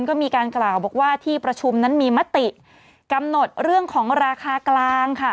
ก็มีการกล่าวบอกว่าที่ประชุมนั้นมีมติกำหนดเรื่องของราคากลางค่ะ